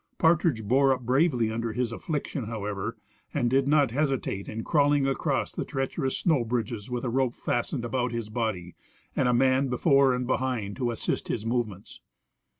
Partridge bore up bravely under his affliction, however, and did not hesitate in crawling across the treacherous snow bridges with a rope fastened about his body and a man before and behind to assist his movements.